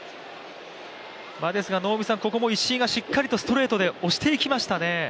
ここも石井がしっかりとストレートで押していきましたね。